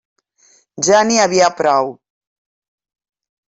Ja n'hi havia prou.